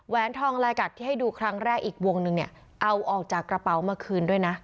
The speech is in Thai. ทองลายกัดที่ให้ดูครั้งแรกอีกวงนึงเนี่ยเอาออกจากกระเป๋ามาคืนด้วยนะ